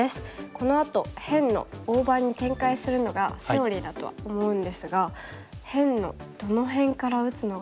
このあと辺の大場に展開するのがセオリーだとは思うんですが辺のどの辺から打つのがよいのでしょうか。